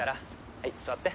はい座って。